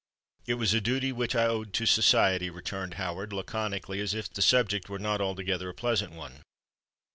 "It was a duty which I owed to society," returned Howard, laconically, as if the subject were not altogether a pleasant one.